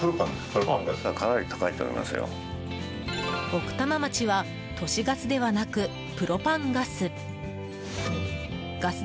奥多摩町は都市ガスではなくプロパンガス。